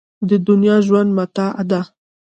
د دنیا ژوند متاع ده.